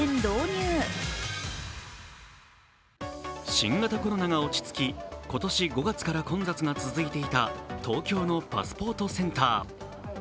新型コロナが落ち着き、今年５月から混雑が続いていた東京のパスポートセンター。